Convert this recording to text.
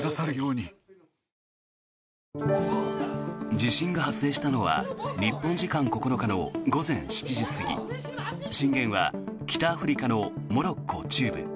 地震が発生したのは日本時間９日の午前７時過ぎ震源は北アフリカのモロッコ中部。